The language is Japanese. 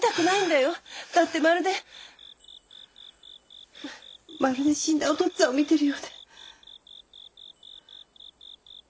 だってまるでまるで死んだお父っつぁんを見てるようで。